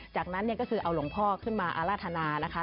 จากนั้นก็คือเอาหลวงพ่อขึ้นมาอาราธนานะคะ